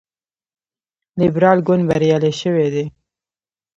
لیبرال ګوند بریالی شوی دی.